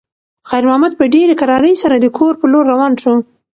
خیر محمد په ډېرې کرارۍ سره د کور په لور روان شو.